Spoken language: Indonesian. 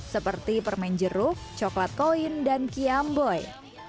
seperti permen jeruk coklat koin dan kiam boy